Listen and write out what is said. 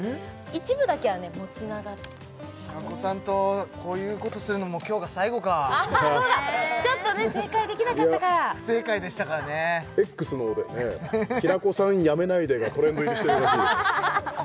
一部だけはねもうつなが平子さんとこういうことするのも今日が最後かそうだちょっとね正解できなかったから不正解でしたからねＸのほうでね「平子さんやめないで」がトレンド入りしてるらしいです